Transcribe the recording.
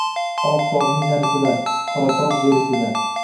Oqtogʻning narisida, Qoratogʻ berisida